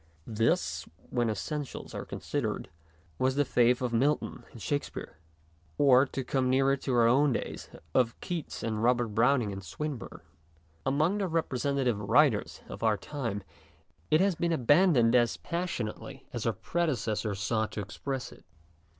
This, when es sentials are considered, was the faith of Milton and Shakespeare, or, to come nearer to our own days, of Keats and Robert Brown ing and Swinburne. Among the representa 102 MONOLOGUES live writers of our time it has been aban doned as passionately as our predecessors sought to express it.